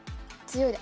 強い。